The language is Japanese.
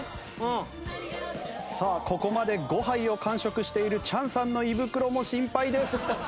ここまで５杯を完食しているチャンさんの胃袋も心配です。